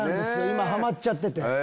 今ハマっちゃってて。